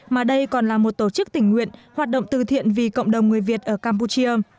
mà đây còn là một tổ chức tình nguyện hoạt động từ thiện vì cộng đồng người việt ở campuchia